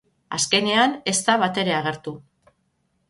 Azkenean ez da batere agertu.